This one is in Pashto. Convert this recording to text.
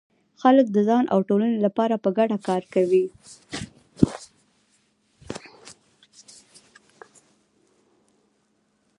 خلک د ځان او ټولنې لپاره په ګډه کار کوي.